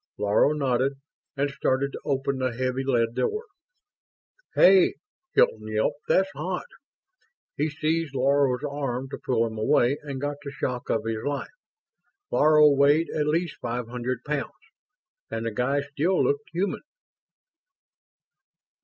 Laro nodded and started to open the heavy lead door! "Hey!" Hilton yelped. "That's hot!" He seized Laro's arm to pull him away and got the shock of his life. Laro weighed at least five hundred pounds! And the guy still looked human!